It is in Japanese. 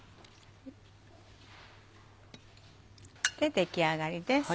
出来上がりです。